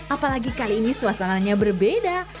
apalagi kali ini suasananya berbeda